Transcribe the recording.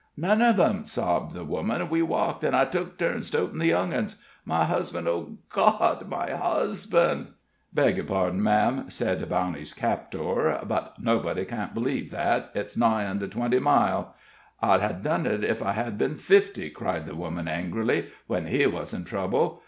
"None of 'em," sobbed the woman. "We walked, an' I took turns totin' the young uns. My husband! Oh, God! my husband!" "Beg yer pardon, ma'am," said Bowney's captor, "but nobody can't b'leeve that; it's nigh onto twenty mile." "I'd ha' done it ef it had been fifty," cried the woman, angrily, "when he wuz in trouble.